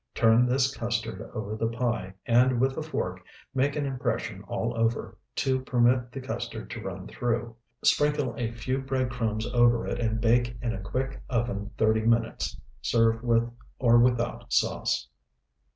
Turn this custard over the pie, and with a fork make an impression all over, to permit the custard to run through. Sprinkle a few bread crumbs over it, and bake in a quick oven thirty minutes. Serve with or without sauce.